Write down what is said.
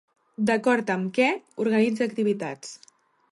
D'acord amb què organitza activitats?